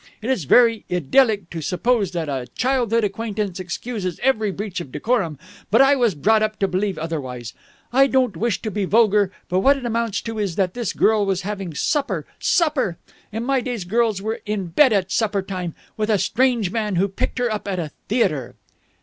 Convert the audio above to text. It is very idyllic to suppose that a childhood acquaintance excuses every breach of decorum, but I was brought up to believe otherwise. I don't wish to be vulgar, but what it amounts to is that this girl was having supper supper! In my days girls were in bed at supper time! with a strange man who picked her up at a theatre!"